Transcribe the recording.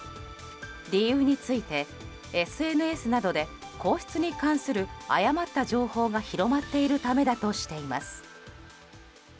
理由についてＳＮＳなどで、皇室に関する誤った情報が広まっているためだとしています。